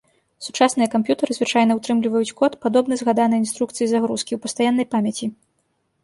Сучасныя камп'ютары звычайна утрымліваюць код, падобны згаданай інструкцыі загрузкі, ў пастаяннай памяці.